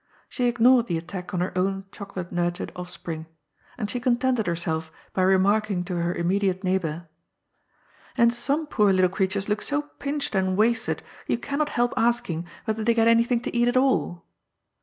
She ignored the attack on her own chocolate nurt ured offspring. And she contented herself by remarking to her immediate neighbour :" And some poor little creat 28 GOD'S POOL. / nres look so pmched and wasted yon cannot help asking whether they get anything to eat at all.'